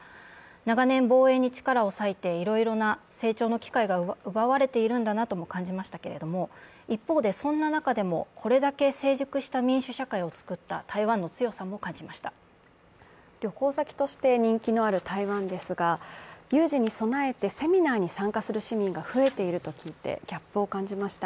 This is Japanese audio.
長年防衛に力を咲いて、いろいろな成長の機会が奪われているんだなども感じましたけれども、一方で、そんな中でもこれだけ成熟した民主社会を作った旅行先として人気のある台湾ですが、有事に備えてセミナーに参加する市民が増えていると聞いてギャップを感じました。